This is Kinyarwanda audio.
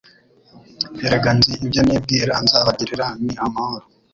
Erega nzi ibyo nibwira nzabagirira Ni amahoro